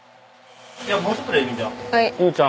もうちょっとだよ友美ちゃん。